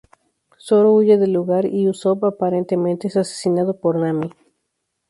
Zoro huye del lugar y Usopp aparentemente es asesinado por Nami.